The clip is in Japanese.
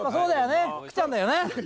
福ちゃんだよね。